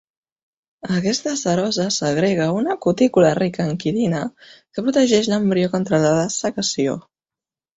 Aquesta serosa segrega una cutícula rica en quitina que protegeix l'embrió contra la dessecació.